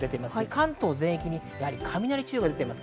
関東全域に雷注意報が出ています。